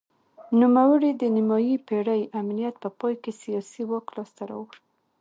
نوموړي د نیمايي پېړۍ امنیت په پای کې سیاسي واک لاسته راوړ.